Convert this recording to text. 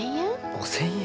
５，０００円？